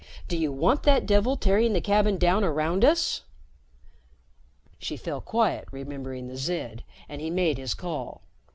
Do you want that devil tearing the cabin down around us?" She fell quiet, remembering the Zid, and he made his call.